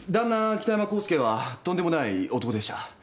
北山浩介はとんでもない男でした。